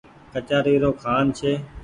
ڪچآري رو کآن ڇي۔